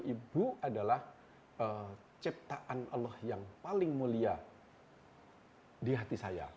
ibu adalah ciptaan allah yang paling mulia di hati saya